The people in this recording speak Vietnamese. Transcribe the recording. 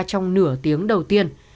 trong nửa tiếng đầu tiên